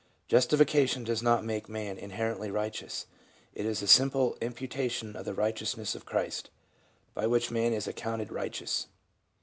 Justification does not make man inherently righteous, it is a simple imputation of the righteousness of Christ, by which man is accounted righteous.